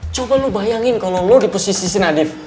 coba lo bayangin kalau lo di posisi senadif